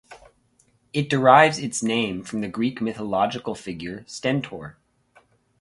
It derives its name from the Greek mythological figure Stentor.